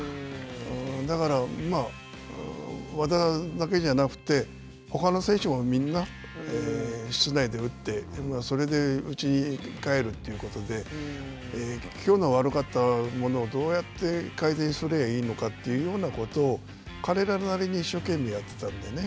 だから、和田だけじゃなくて、ほかの選手もみんな、室内で打って、それでうちに帰るということで、きょうの悪かったものをどうやって改善すればいいのかというようなことを彼らなりに一生懸命やってたんでね。